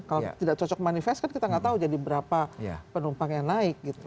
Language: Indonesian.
kalau tidak cocok manifest kan kita nggak tahu jadi berapa penumpang yang naik gitu